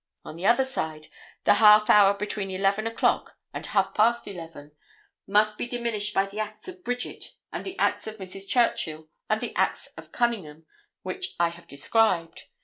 On the other side, the half hour between 11 o'clock and half past 11 must be diminished by the acts of Bridget and the acts of Mrs. Churchill and the acts of Cunningham, which I have described.